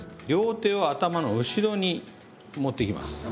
両手を頭の後ろに持っていきます。